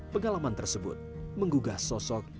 pengalaman tersebut menggugah sosok